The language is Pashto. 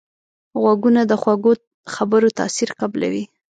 غوږونه د خوږو خبرو تاثیر قبلوي